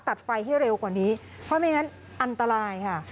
ตัดไฟให้เร็วกว่านี้เพราะไม่งั้นอันตรายค่ะ